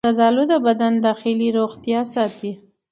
زردآلو د بدن داخلي روغتیا ساتي.